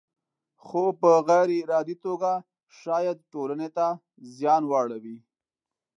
خو په غیر ارادي توګه شاید ټولنې ته زیان واړوي.